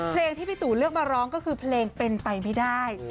เพลงที่พี่ตูเลือกมาร้องก็คือเพลงเป็นไปไม่ได้